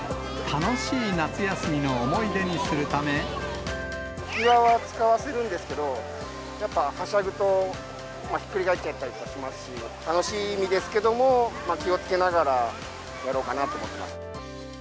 楽しい夏休みの思い出にする浮き輪は使わせるんですけど、やっぱはしゃぐとひっくり返っちゃったりしますし、楽しみですけども、気をつけながらやろうかなと思ってます。